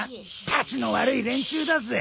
たちの悪い連中だぜ。